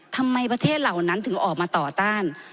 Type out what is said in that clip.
ทำไมประเทศเหล่านั้นถึงออกมาต่อต้าน